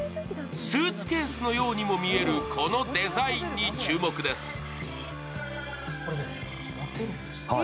スーツケースのようにも見えるこのデザインに注目です。